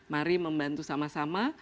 mari membantu sama sama